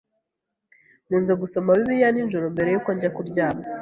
Nkunze gusoma Bibiliya nijoro mbere yuko njya kuryama.